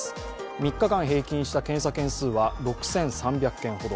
３日間平均した検査件数は６３００件ほど。